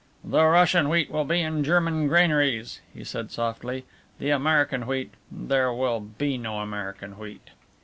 "The Russian wheat will be in German granaries," he said softly, "the American wheat there will be no American wheat."